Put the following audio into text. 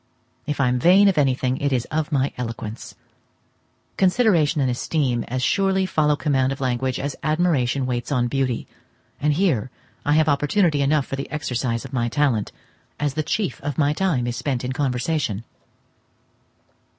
If I am vain of anything, it is of my eloquence. Consideration and esteem as surely follow command of language as admiration waits on beauty, and here I have opportunity enough for the exercise of my talent, as the chief of my time is spent in conversation.